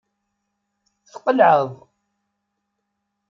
Tqelɛeḍ.